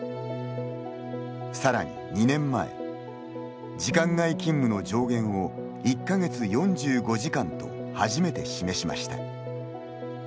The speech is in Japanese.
さらに２年前、時間外勤務の上限を１か月４５時間と初めて示しました。